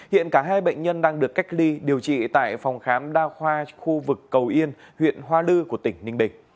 hiện cả hai bệnh nhân đang được cách ly điều trị tại phòng khám đa khoa khu vực cầu yên huyện hoa lư của tỉnh ninh bình